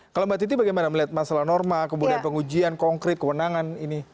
kalau mbak titi bagaimana melihat masalah norma kemudian pengujian konkret kewenangan ini